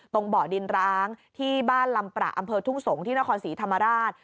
เบาะดินร้างที่บ้านลำประอำเภอทุ่งสงศ์ที่นครศรีธรรมราช